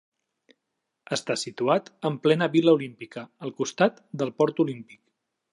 Està situat en plena Vila Olímpica, al costat del Port Olímpic.